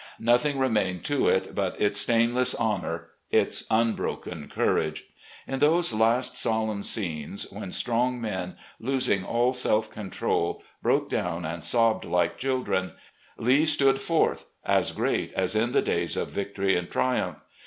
Nothing remained to it but its stainless honom, its imbroken courage. In those last solemn scenes, when strong men, losing all self control, broke down and sobbed like children, Lee stood forth as great as in the days of victory and triumph.